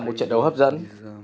một trận đấu hấp dẫn